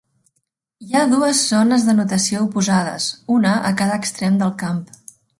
Hi ha dues zones d'anotació oposades, una a cada extrem del camp.